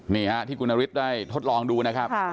นี่ฮะที่คุณนฤทธิ์ได้ทดลองดูนะครับ